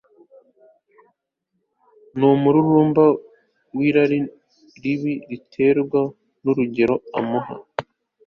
numururumba wirari ribi bitewe nurugero amuha